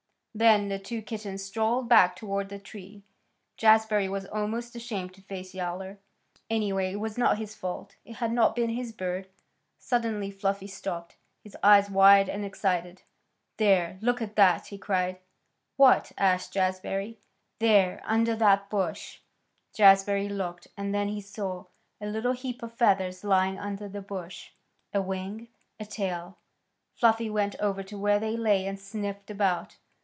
Then the two kittens strolled back toward the tree. Jazbury was almost ashamed to face Yowler. Anyway, it was not his fault. It had not been his bird. Suddenly Fluffy stopped, his eyes wide and excited. "There, look at that!" he cried. "What?" asked Jazbury. "There! Under that bush!" Jazbury looked, and then he saw a little heap of feathers lying under the bush, a wing a tail. Fluffy went over to where they lay and sniffed about.